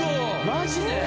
マジで！？